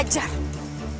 kau tidak tahu siapa aku itu